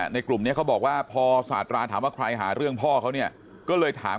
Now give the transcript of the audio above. กลุ่มนี้เขาบอกว่าพอสาธาราถามว่าใครหาเรื่องพ่อเขาเนี่ยก็เลยถาม